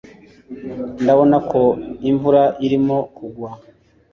ndabona ko imvura irimo kugwa